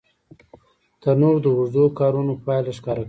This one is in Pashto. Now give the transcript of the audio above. تنور د اوږدو کارونو پایله ښکاره کوي